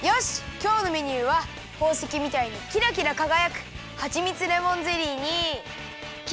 きょうのメニューはほうせきみたいにキラキラかがやくはちみつレモンゼリーにきまり！